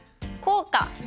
こうか！